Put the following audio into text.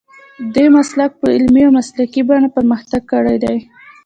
دې مسلک په عملي او مسلکي بڼه پرمختګ کړی دی.